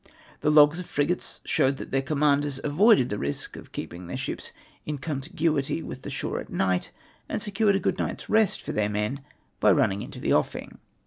The logs of frigates showed that their commanders avoided the risk of keepmg theu ships in contiguity with the sliore at night, and secured a good night's rest for their men by running into the offing.